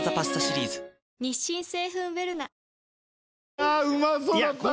ああうまそうだった